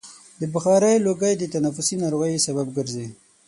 د بخارۍ لوګی د تنفسي ناروغیو سبب ګرځي.